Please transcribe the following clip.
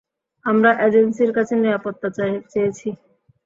আমরা এজেন্সির কাছে নিরাপত্তা চেয়েছি।